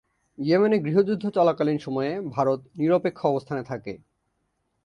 ইয়েমেনে গৃহযুদ্ধ চলাকালীন সময়ে ভারত নিরপেক্ষ অবস্থানে থাকে।